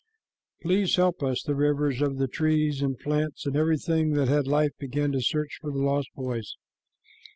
"Please help us," the rivers begged of the trees and plants, and everything that had life began to search for the lost boys.